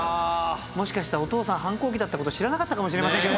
もしかしたらお父さん反抗期だったこと知らなかったかもしれません。